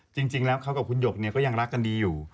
จริงแล้วเขากับคุณหยกก็ยังรักกันดีอยู่